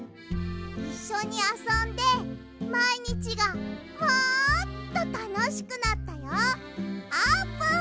いっしょにあそんでまいにちがもっとたのしくなったよあーぷん！